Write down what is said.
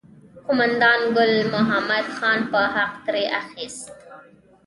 قوماندان ګل محمد خان به حق ترې اخیست.